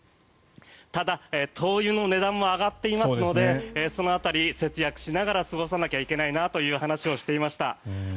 ただ、灯油の値段も上がっていますのでその辺り、節約しながら過ごさなきゃいけないなという話をしていました。